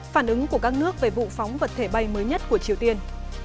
phản ứng của các nước về vụ phóng vật thể bay mới nhất của triều tiên